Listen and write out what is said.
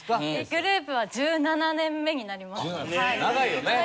グループは１７年目になります。